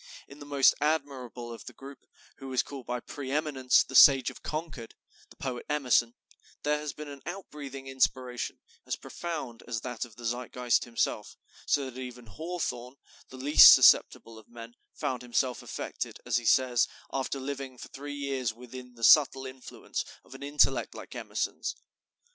In the most admirable of the group, who is called by preëminence "the Sage of Concord," the poet Emerson, there has been an out breathing inspiration as profound as that of the Zeitgeist himself; so that even Hawthorne, the least susceptible of men, found himself affected as he says, "after living for three years within the subtle influence of an intellect like Emerson's."